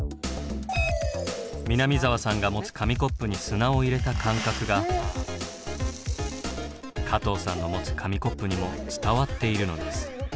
南澤さんが持つ紙コップに砂を入れた感覚が加藤さんの持つ紙コップにも伝わっているのです。